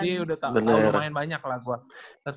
jadi udah tau main banyak lah gue